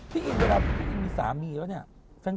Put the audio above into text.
พี่อินนะครับพี่อินมีสามีแล้วเนี่ย